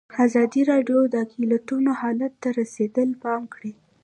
ازادي راډیو د اقلیتونه حالت ته رسېدلي پام کړی.